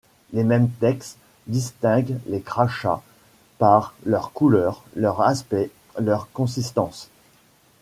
Les mêmes textes distinguent les crachats par leur couleur, leur aspect, leur consistance.